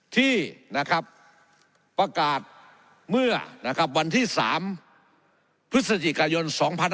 ที่ประกาศเมื่อวันที่๓พฤศจิกายน๒๕๖๒